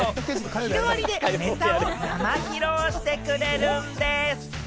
日替わりでネタを生披露してくれるんでぃす！